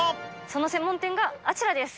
その専門店があちらです。